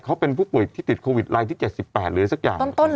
เขาเป็นผู้ป่วยที่ติดโควิดรายที่๗๘หรืออะไรสักอย่าง